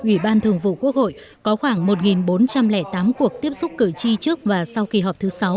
ủy ban thường vụ quốc hội có khoảng một bốn trăm linh tám cuộc tiếp xúc cử tri trước và sau kỳ họp thứ sáu